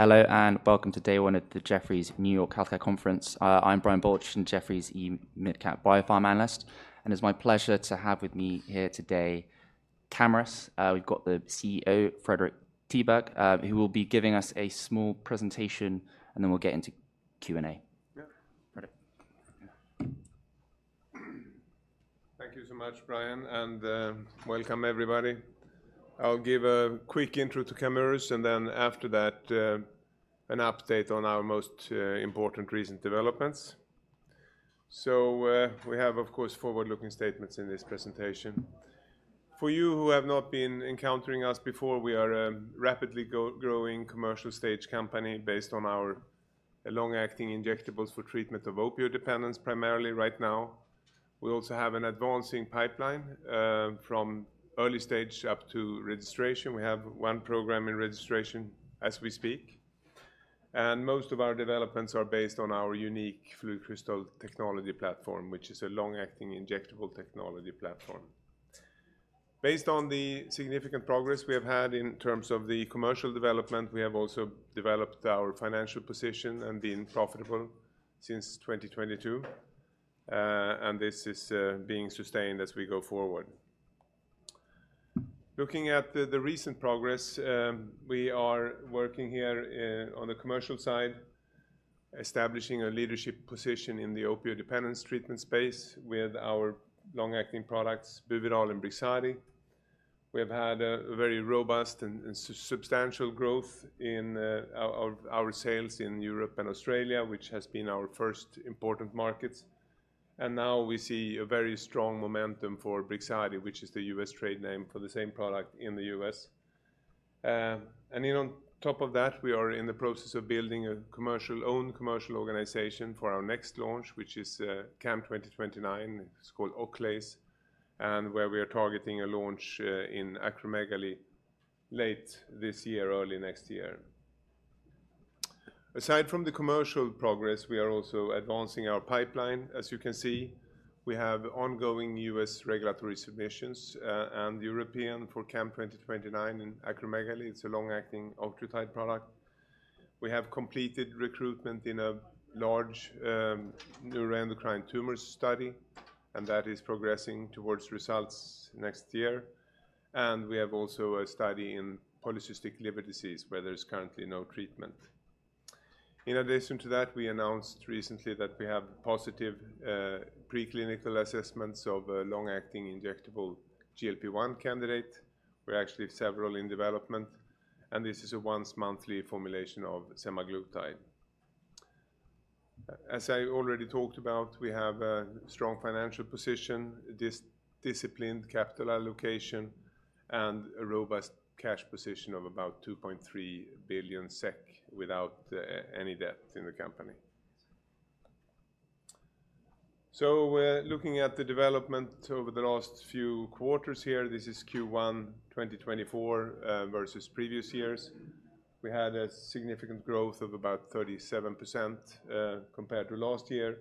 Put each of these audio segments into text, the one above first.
Hello, and welcome to day one of the Jefferies New York Healthcare Conference. I'm Brian Balchin from Jefferies, mid-cap biopharma analyst, and it's my pleasure to have with me here today, Camurus. We've got the CEO, Fredrik Tiberg, who will be giving us a small presentation, and then we'll get into Q&A. Yeah. Ready. Thank you so much, Brian, and welcome everybody. I'll give a quick intro to Camurus, and then after that, an update on our most important recent developments. So, we have, of course, forward-looking statements in this presentation. For you who have not been encountering us before, we are a rapidly growing commercial stage company based on our long-acting injectables for treatment of opioid dependence, primarily right now. We also have an advancing pipeline, from early stage up to registration. We have one program in registration as we speak, and most of our developments are based on our unique FluidCrystal technology platform, which is a long-acting injectable technology platform. Based on the significant progress we have had in terms of the commercial development, we have also developed our financial position and been profitable since 2022, and this is being sustained as we go forward. Looking at the recent progress, we are working here on the commercial side, establishing a leadership position in the opioid dependence treatment space with our long-acting products, Buvidal and Brixadi. We have had a very robust and substantial growth in our sales in Europe and Australia, which has been our first important markets. Now we see a very strong momentum for Brixadi, which is the U.S. trade name for the same product in the U.S. And then on top of that, we are in the process of building our own commercial organization for our next launch, which is CAM2029. It's called Oakleys, and where we are targeting a launch in acromegaly late this year, early next year. Aside from the commercial progress, we are also advancing our pipeline. As you can see, we have ongoing U.S. Regulatory Submissions and European for CAM2029 in acromegaly. It's a long-acting octreotide product. We have completed recruitment in a large neuroendocrine tumor study, and that is progressing towards results next year. We have also a study in polycystic liver disease, where there's currently no treatment. In addition to that, we announced recently that we have positive preclinical assessments of a long-acting injectable GLP-1 candidate. We're actually have several in development, and this is a once-monthly formulation of semaglutide. As I already talked about, we have a strong financial position, disciplined capital allocation, and a robust cash position of about 2.3 billion SEK, without any debt in the company. So we're looking at the development over the last few quarters here. This is Q1 2024 versus previous years. We had a significant growth of about 37%, compared to last year,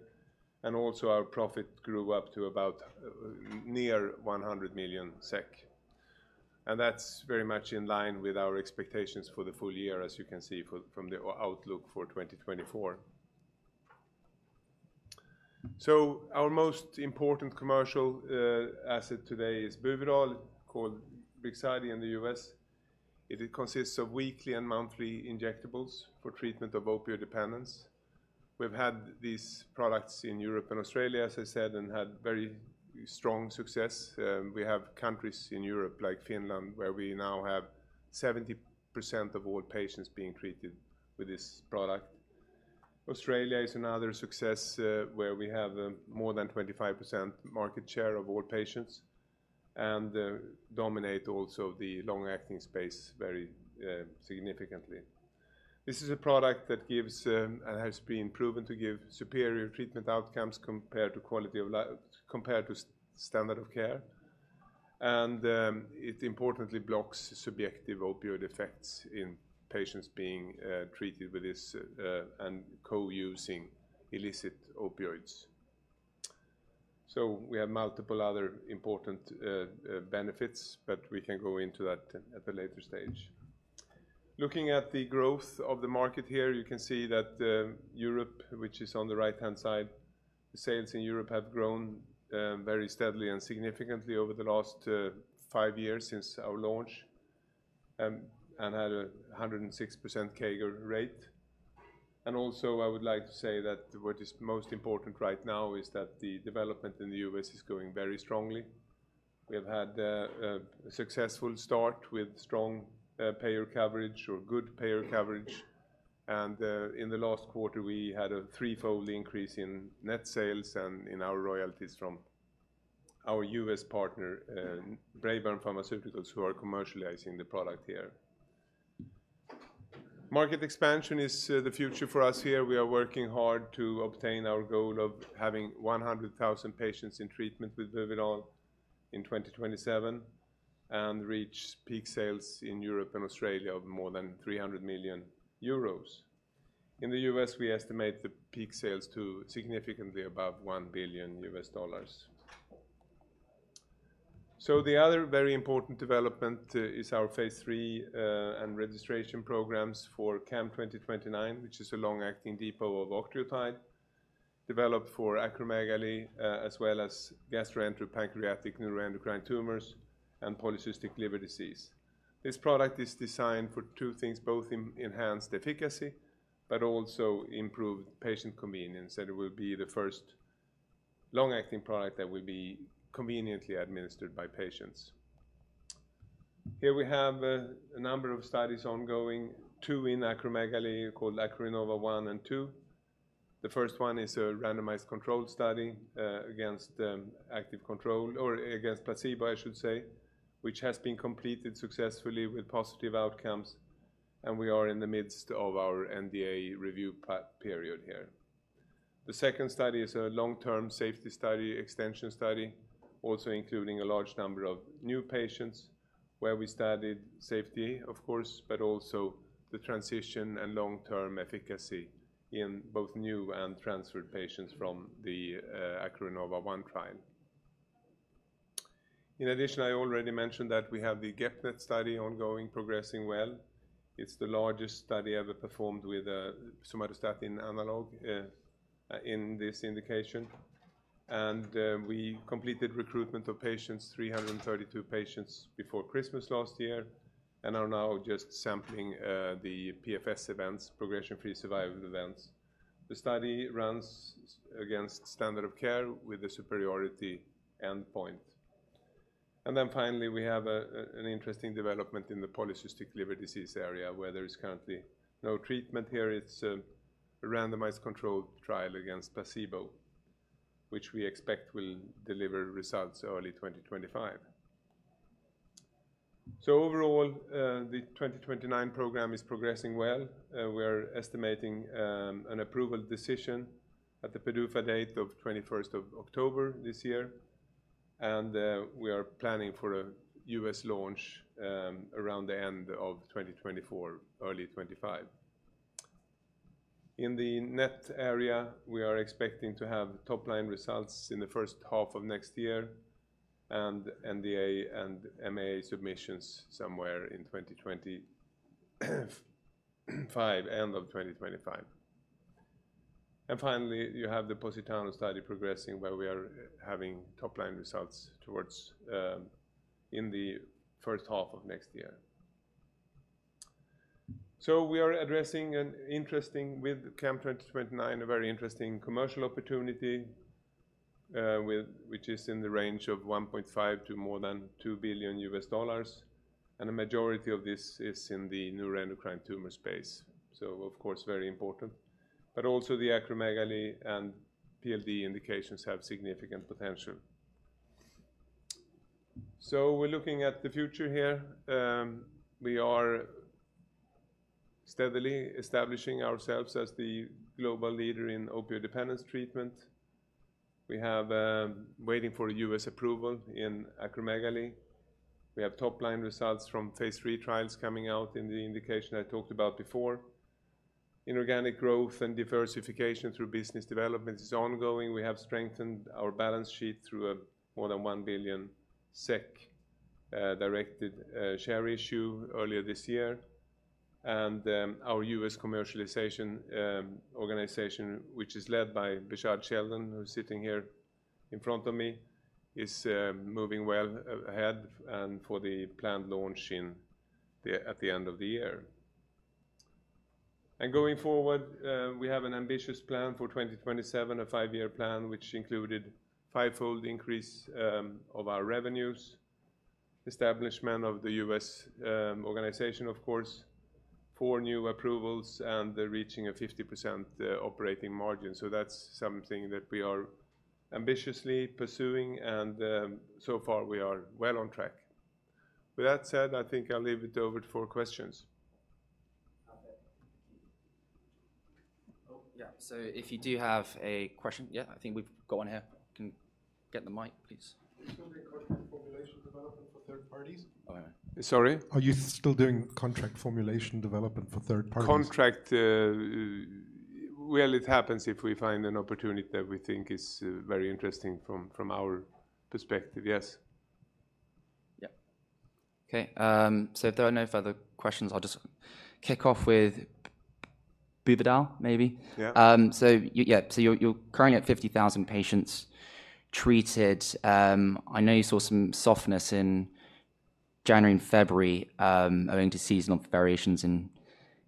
and also our profit grew up to about near 100 million SEK. And that's very much in line with our expectations for the full year, as you can see from the outlook for 2024. So our most important commercial asset today is Buvidal, called Brixadi in the US. It consists of weekly and monthly injectables for treatment of opioid dependence. We've had these products in Europe and Australia, as I said, and had very strong success. We have countries in Europe, like Finland, where we now have 70% of all patients being treated with this product. Australia is another success, where we have more than 25% market share of all patients and dominate also the long-acting space very significantly. This is a product that gives and has been proven to give superior treatment outcomes compared to standard of care. And it importantly blocks subjective opioid effects in patients being treated with this and co-using illicit opioids. So we have multiple other important benefits, but we can go into that at a later stage. Looking at the growth of the market here, you can see that Europe, which is on the right-hand side, sales in Europe have grown very steadily and significantly over the last five years since our launch and had a 106% CAGR rate. Also, I would like to say that what is most important right now is that the development in the U.S. is going very strongly. We have had a successful start with strong payer coverage or good payer coverage, and in the last quarter, we had a threefold increase in net sales and in our royalties from our U.S. partner Braeburn Pharmaceuticals, who are commercializing the product here. Market expansion is the future for us here. We are working hard to obtain our goal of having 100,000 patients in treatment with Buvidal in 2027 and reach peak sales in Europe and Australia of more than 300 million euros. In the US, we estimate the peak sales to significantly above $1 billion. So the other very important development is our phase 3 and registration programs for CAM2029, which is a long-acting depot of octreotide, developed for acromegaly, as well as gastroenteropancreatic neuroendocrine tumors and polycystic liver disease. This product is designed for two things, both enhanced efficacy but also improved patient convenience, and it will be the first long-acting product that will be conveniently administered by patients. Here we have a number of studies ongoing, two in acromegaly called ACRINOVA 1 and 2. The first one is a randomized controlled study against active control or against placebo, I should say, which has been completed successfully with positive outcomes, and we are in the midst of our NDA review period here. The second study is a long-term safety study, extension study, also including a large number of new patients, where we studied safety, of course, but also the transition and long-term efficacy in both new and transferred patients from the ACRINOVA 1 trial. In addition, I already mentioned that we have the GEP-NET study ongoing, progressing well. It's the largest study ever performed with somatostatin analog in this indication. We completed recruitment of patients, 332 patients before Christmas last year, and are now just sampling the PFS events, progression-free survival events. The study runs against standard of care with a superiority endpoint. And then finally, we have an interesting development in the polycystic liver disease area, where there is currently no treatment here. It's a randomized controlled trial against placebo, which we expect will deliver results early 2025. So overall, the 2029 program is progressing well. We're estimating an approval decision at the PDUFA date of 21st of October this year, and we are planning for a U.S. launch around the end of 2024, early 2025. In the NET area, we are expecting to have top-line results in the first half of next year and NDA and MA submissions somewhere in 2025, end of 2025. And finally, you have the POSITANO study progressing, where we are having top-line results towards in the first half of next year. So we are addressing an interesting... with CAM2029, a very interesting commercial opportunity, which is in the range of $1.5 billion to more than $2 billion, and a majority of this is in the neuroendocrine tumor space. So, of course, very important. But also, the acromegaly and PLD indications have significant potential. So we're looking at the future here. We are steadily establishing ourselves as the global leader in opioid dependence treatment. We have waiting for U.S. approval in acromegaly. We have top-line results from phase 3 trials coming out in the indication I talked about before. Inorganic growth and diversification through business development is ongoing. We have strengthened our balance sheet through more than 1 billion SEK directed share issue earlier this year. Our U.S. Commercialization Organization, which is led by Richard Sheldon, who's sitting here in front of me, is moving well ahead and for the planned launch in at the end of the year. Going forward, we have an ambitious plan for 2027, a five-year plan, which included fivefold increase of our revenues, establishment of the U.S. Organization, of course, four new approvals, and the reaching of 50% operating margin. So that's something that we are ambitiously pursuing, and so far, we are well on track. With that said, I think I'll leave it over for questions. Oh, yeah. So if you do have a question... Yeah, I think we've got one here. Can you get the mic, please? Are you still doing contract formulation development for third parties? Sorry? Are you still doing contract formulation development for third parties? Contract, well, it happens if we find an opportunity that we think is very interesting from our perspective, yes. Yeah. Okay, so if there are no further questions, I'll just kick off with Buvidal, maybe. Yeah. So, yeah, so you're currently at 50,000 patients treated. I know you saw some softness in January and February, owing to seasonal variations in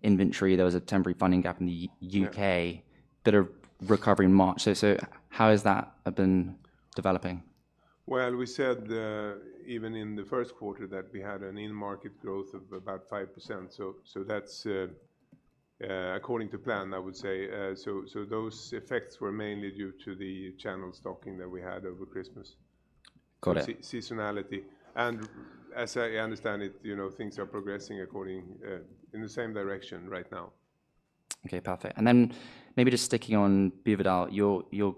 inventory. There was a temporary funding gap in the U.K. that are recovered in March. So, how has that been developing? Well, we said, even in the first quarter, that we had an in-market growth of about 5%. So that's according to plan, I would say. So those effects were mainly due to the channel stocking that we had over Christmas. Got it. Seasonality. As I understand it, you know, things are progressing according, in the same direction right now. Okay, perfect. And then maybe just sticking on Buvidal, your, your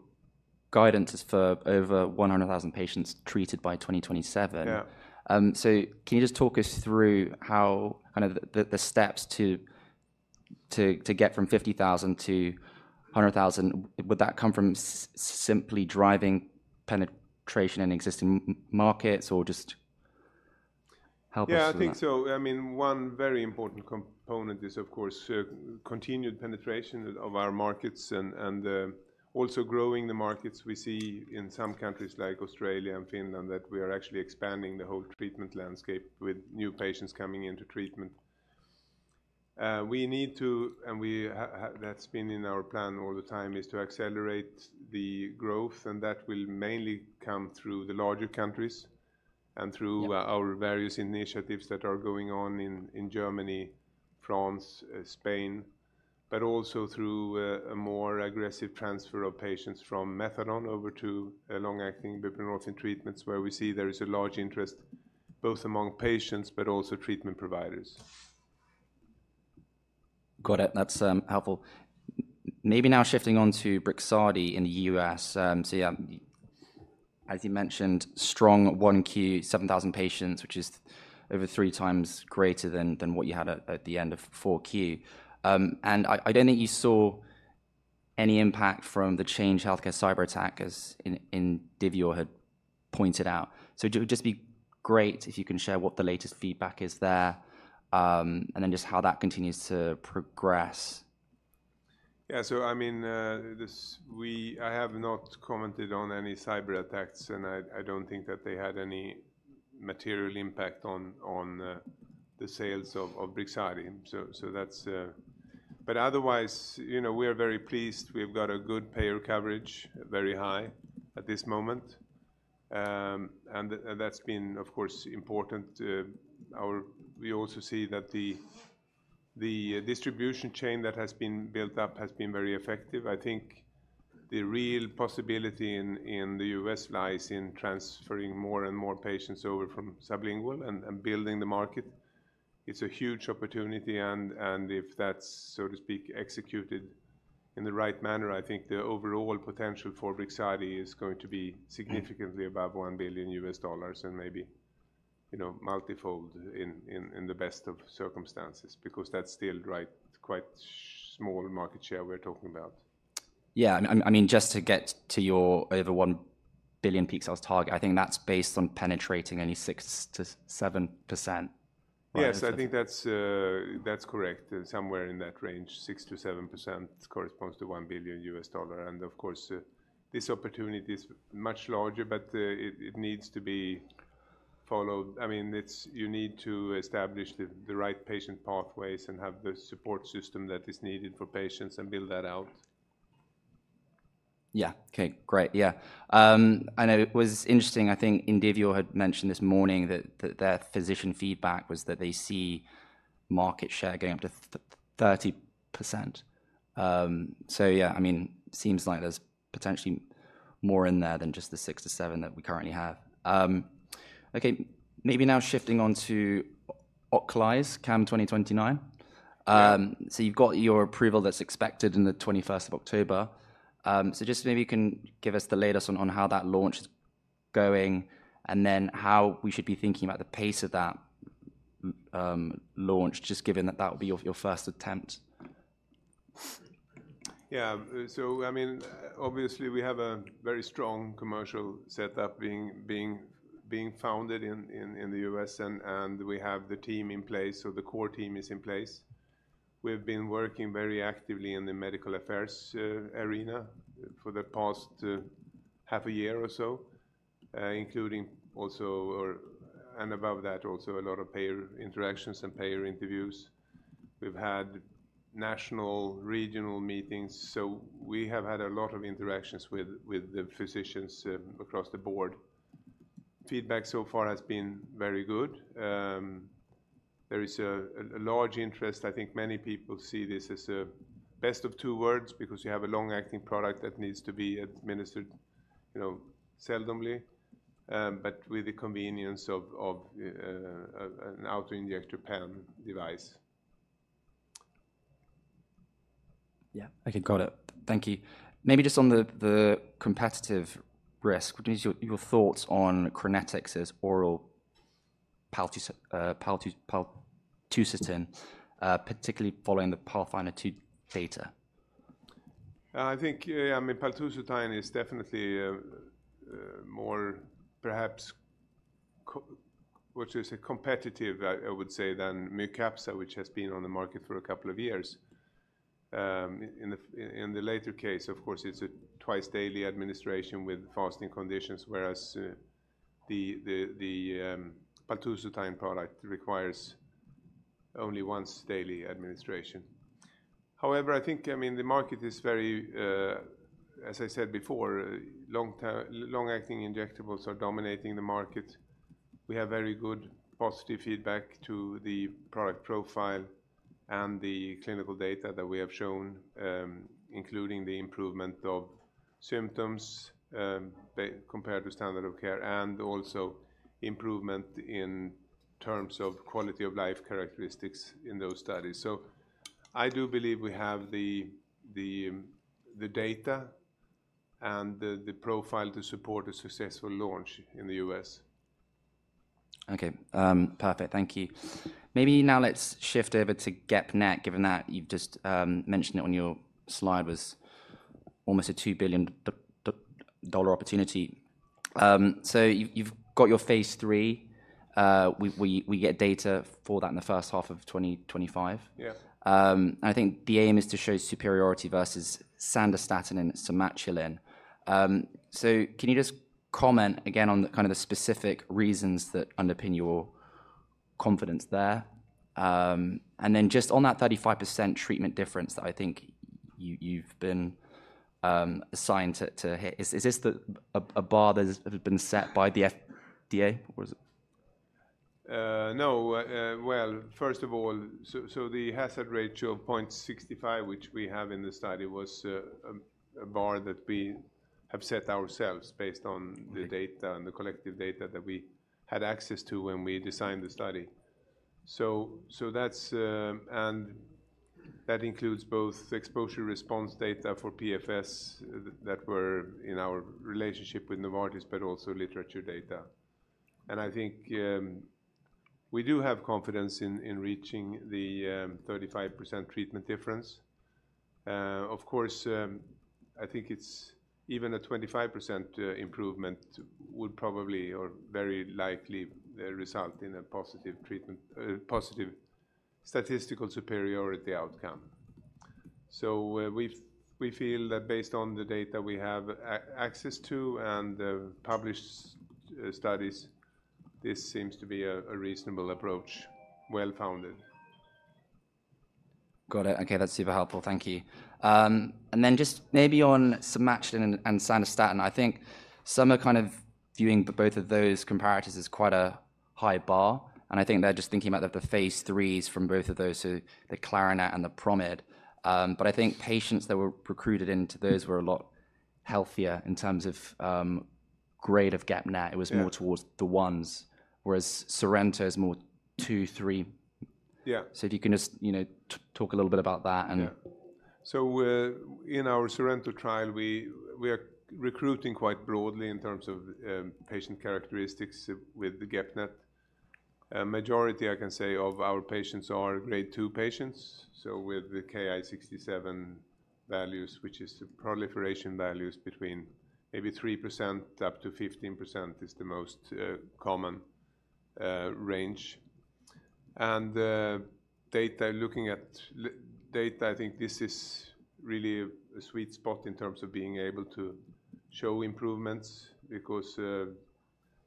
guidance is for over 100,000 patients treated by 2027. Yeah. So can you just talk us through how, kind of the steps to get from 50,000 to 100,000, would that come from simply driving penetration in existing markets or just, help us with that? Yeah, I think so. I mean, one very important component is, of course, continued penetration of our markets and also growing the markets we see in some countries like Australia and Finland, that we are actually expanding the whole treatment landscape with new patients coming into treatment. We need to, that's been in our plan all the time, is to accelerate the growth, and that will mainly come through the larger countries and through our various initiatives that are going on in Germany, France, Spain, but also through a more aggressive transfer of patients from methadone over to long-acting buprenorphine treatments, where we see there is a large interest, both among patients but also treatment providers. Got it. That's helpful. Maybe now shifting on to Brixadi in the U.S. So, as you mentioned, strong one Q, 7,000 patients, which is over three times greater than what you had at the end of four Q. And I don't think you saw any impact from the Change Healthcare cyberattack, as Indivior had pointed out. So it would just be great if you can share what the latest feedback is there, and then just how that continues to progress. Yeah. So I mean, I have not commented on any cyberattacks, and I don't think that they had any material impact on the sales of Brixadi. So that's... But otherwise, you know, we are very pleased. We've got a good payer coverage, very high at this moment. And that's been, of course, important. We also see that the distribution chain that has been built up has been very effective. I think the real possibility in the U.S. lies in transferring more and more patients over from sublingual and building the market. It's a huge opportunity, and if that's, so to speak, executed in the right manner, I think the overall potential for Brixadi is going to be significantly above $1 billion and maybe, you know, multifold in the best of circumstances, because that's still right, quite small market share we're talking about. Yeah, and I mean, just to get to your over 1 billion peak sales target, I think that's based on penetrating only 6%-7%. Yes, I think that's correct. Somewhere in that range, 6%-7% corresponds to $1 billion. And of course, this opportunity is much larger, but, it needs to be followed. I mean, it's you need to establish the right patient pathways and have the support system that is needed for patients and build that out. Yeah. Okay, great. Yeah. And it was interesting, I think Indivior had mentioned this morning that their physician feedback was that they see market share going up to 30%. So yeah, I mean, seems like there's potentially more in there than just the 6%-7% that we currently have. Okay, maybe now shifting on to acromegaly, CAM2029. So you've got your approval that's expected on the twenty-first of October. So just maybe you can give us the latest on how that launch is going, and then how we should be thinking about the pace of that launch, just given that that would be your first attempt? Yeah. So I mean, obviously, we have a very strong commercial setup being founded in the U.S., and we have the team in place, so the core team is in place. We've been working very actively in the medical affairs arena for the past half a year or so, and above that, also a lot of payer interactions and payer interviews. We've had national, regional meetings, so we have had a lot of interactions with the physicians across the board. Feedback so far has been very good. There is a large interest. I think many people see this as a best of two worlds because you have a long-acting product that needs to be administered, you know, seldomly, but with the convenience of an auto-injector pen device. Yeah. Okay, got it. Thank you. Maybe just on the competitive risk, what is your thoughts on Crinetics's oral paltusotine, particularly following the PATHFNDR-2 data? I think, yeah, I mean, paltusotine is definitely more perhaps competitive, I would say, than Mycapssa, which has been on the market for a couple of years. In the latter case, of course, it's a twice-daily administration with fasting conditions, whereas the paltusotine product requires only once daily administration. However, I think, I mean, the market is very, as I said before, long-acting injectables are dominating the market. We have very good positive feedback to the product profile and the clinical data that we have shown, including the improvement of symptoms compared to standard of care, and also improvement in terms of quality of life characteristics in those studies. I do believe we have the data and the profile to support a successful launch in the US. Okay, perfect. Thank you. Maybe now let's shift over to GEP-NET, given that you've just mentioned it on your slide was almost a $2 billion opportunity. So you, you've got your phase III. We get data for that in the first half of 2025? Yes. I think the aim is to show superiority versus Sandostatin and Somatuline. So can you just comment again on the kind of the specific reasons that underpin your confidence there? And then just on that 35% treatment difference that I think you, you've been assigned to, to hit, is this the, a, a bar that has been set by the FDA, or is it? No. Well, first of all, so the hazard ratio of 0.65, which we have in the study, was a bar that we have set ourselves based on the data and the collective data that we had access to when we designed the study. So that's and that includes both exposure response data for PFS that were in our relationship with Novartis, but also literature data. And I think we do have confidence in reaching the 35% treatment difference. Of course, I think it's even a 25% improvement would probably or very likely result in a positive treatment, a positive statistical superiority outcome. So we feel that based on the data we have access to and the published studies, this seems to be a reasonable approach, well-founded. Got it. Okay, that's super helpful. Thank you. And then just maybe on Somatuline and sandostatin, I think some are kind of viewing both of those comparators as quite a high bar, and I think they're just thinking about the phase III from both of those, so the CLARINET and the PROMID. But I think patients that were recruited into those were a lot healthier in terms of grade of GEP-NET. Yeah. It was more towards the 1s, whereas SORENTO is more 2, 3. Yeah. So if you can just, you know, talk a little bit about that. Yeah. So, in our SORENTO trial, we are recruiting quite broadly in terms of patient characteristics with the GEP-NET. A majority, I can say, of our patients are Grade 2 patients, so with the Ki-67 values, which is the proliferation values between maybe 3% up to 15% is the most common range. And the data, looking at historical data, I think this is really a sweet spot in terms of being able to show improvements because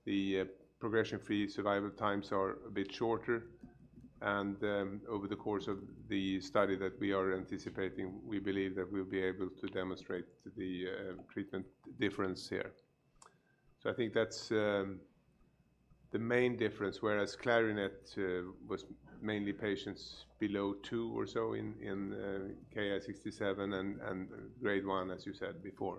the progression-free survival times are a bit shorter. And over the course of the study that we are anticipating, we believe that we'll be able to demonstrate the treatment difference here. So I think that's the main difference, whereas CLARINET was mainly patients below 2 or so in Ki-67 and Grade 1, as you said before.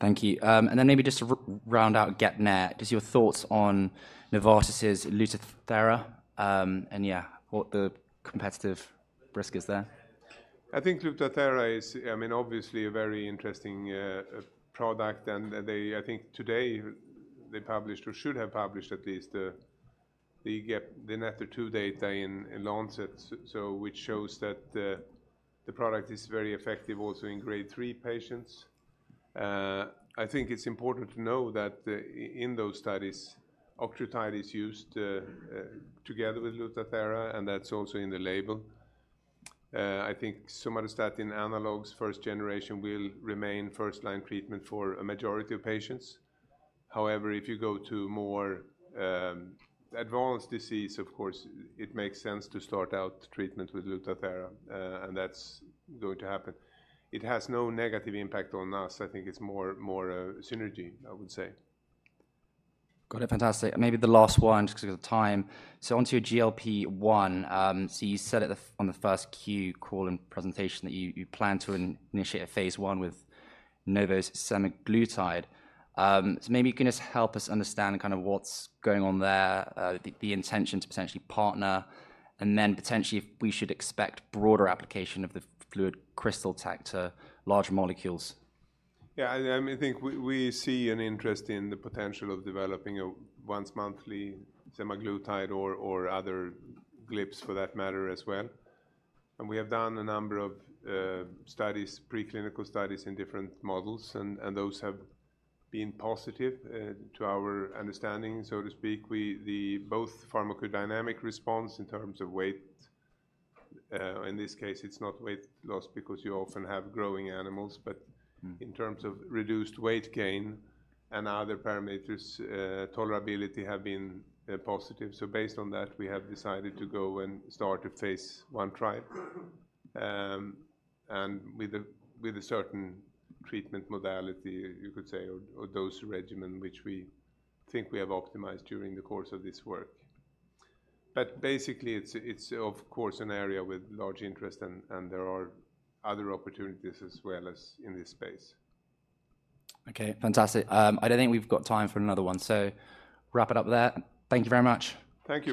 Thank you. And then maybe just to round out GEP-NET, just your thoughts on Novartis' Lutathera, and yeah, what the competitive risk is there? I think Lutathera is, I mean, obviously a very interesting product, and they, I think today they published or should have published at least the, the GEP, the NETTER-2 data in, in Lancet. So which shows that the, the product is very effective also in grade three patients. I think it's important to know that in those studies, octreotide is used together with Lutathera, and that's also in the label. I think somatostatin analogs first generation will remain first-line treatment for a majority of patients. However, if you go to more advanced disease, of course, it makes sense to start out treatment with Lutathera, and that's going to happen. It has no negative impact on us. I think it's more, more a synergy, I would say. Got it. Fantastic. Maybe the last one just 'cause of the time. So onto your GLP-1, so you said it on the first Q call and presentation that you plan to initiate a phase I with Novo's semaglutide. So maybe you can just help us understand kind of what's going on there, the intention to potentially partner, and then potentially if we should expect broader application of the FluidCrystal tech to large molecules. Yeah, I think we see an interest in the potential of developing a once-monthly semaglutide or other GLPs for that matter as well. And we have done a number of studies, preclinical studies in different models, and those have been positive to our understanding, so to speak. We the both pharmacodynamic response in terms of weight, in this case, it's not weight loss because you often have growing animals, but in terms of reduced weight gain and other parameters, tolerability have been positive. So based on that, we have decided to go and start a phase I trial, and with a certain treatment modality, you could say, or dose regimen, which we think we have optimized during the course of this work. But basically, it's of course an area with large interest, and there are other opportunities as well as in this space. Okay, fantastic. I don't think we've got time for another one, so wrap it up there. Thank you very much. Thank you.